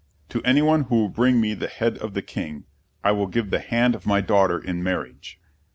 "To any one who will bring me the head of the King, I will give the hand of my daughter in marriage."